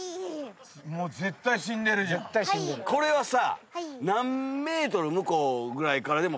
これはさ。